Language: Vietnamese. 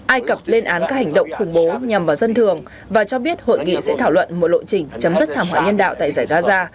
ai cập lên án các hành động khủng bố nhằm vào dân thường và cho biết hội nghị sẽ thảo luận một lộ trình chấm dứt thảm họa nhân đạo tại giải gaza